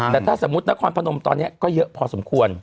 แต่ถ้าสมมุตินครพนมตอนนี้ก็เยอะพอสมควร